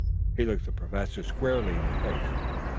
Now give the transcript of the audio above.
He looked the Professor squarely in the face.